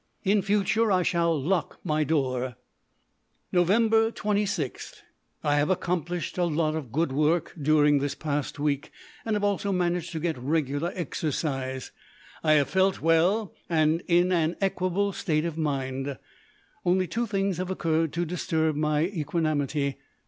In future I shall lock my door. Nov. 26. I have accomplished a lot of good work during this past week, and have also managed to get regular exercise. I have felt well and in an equable state of mind. Only two things have occurred to disturb my equanimity.